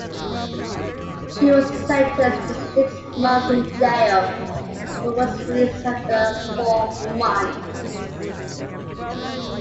She was sentenced to six months in jail, but was released after four months.